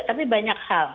tapi banyak hal